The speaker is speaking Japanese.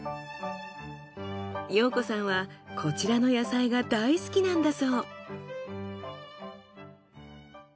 陽子さんはこちらの野菜が大好きなんだそう。